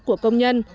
của công nhân